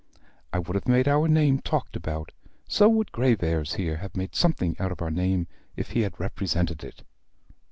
I would have made our name talked about. So would Graveairs here have made something out of our name if he had represented it.